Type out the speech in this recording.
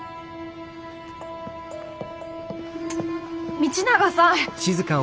道永さん！